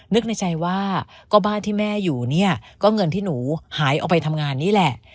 นึกในใจว่าก็บ้านที่แม่อยู่เนี่ยก็เงินที่หนูหายออกไปทำงานนี่แหละ